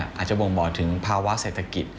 อาจจะบ่งบอกถึงภาวะเศรษฐกิจ